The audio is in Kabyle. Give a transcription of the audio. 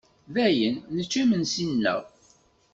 Dayen, nečča imensi-nneɣ.